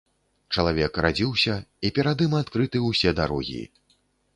Чалавек радзіўся, і перад ім адкрыты ўсе дарогі.